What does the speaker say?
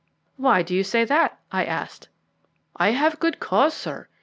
"Why do you say that?" I asked. "I have good cause, sir.